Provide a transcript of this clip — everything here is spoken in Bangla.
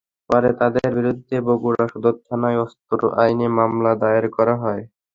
পরে তাঁদের বিরুদ্ধে বগুড়া সদর থানায় অস্ত্র আইনে মামলা দায়ের করা হয়।